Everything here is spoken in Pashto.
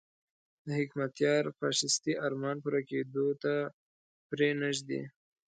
د حکمتیار فاشیستي ارمان پوره کېدو ته پرې نه ږدي.